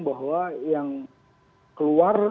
bahwa yang keluar